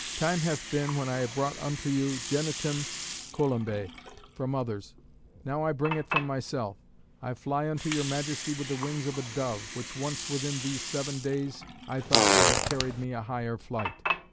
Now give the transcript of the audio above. "Time hath been when I have brought unto you genitum columbæ, from others. Now I bring it from myself. I fly unto your Majesty with the wings of a dove, which once within these seven days I thought would have carried me a higher flight.